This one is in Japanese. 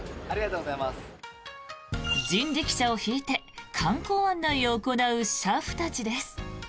人力車を引いて観光案内を行う車夫たちです。